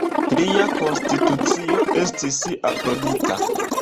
Tria konstitucio estis aprobita.